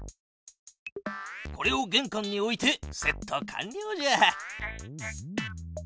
これをげんかんに置いてセット完りょうじゃ。